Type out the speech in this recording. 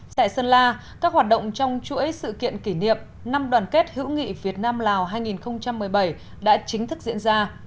tại sơn la các hoạt động trong chuỗi sự kiện kỷ niệm năm đoàn kết hữu nghị việt nam lào hai nghìn một mươi bảy đã chính thức diễn ra